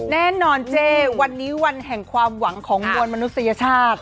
แน่นอนเจ๊วันนี้วันแห่งความหวังของมวลมนุษยชาติ